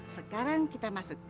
sekarang kita masuk